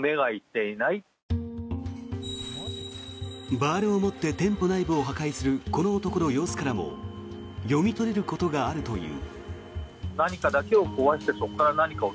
バールを持って店舗内部を破壊するこの男の様子からも読み取れることがあるという。